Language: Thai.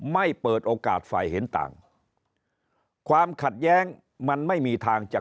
ไม่เปิดโอกาสฝ่ายเห็นต่างความขัดแย้งมันไม่มีทางจะ